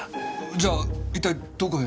じゃあ一体どこへ？